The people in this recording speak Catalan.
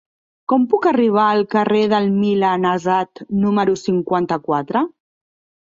Com puc arribar al carrer del Milanesat número cinquanta-quatre?